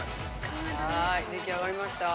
はいできあがりました？